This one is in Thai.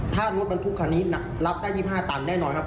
ถ้ารถบรรทุกคันนี้รับได้๒๕ตันแน่นอนครับ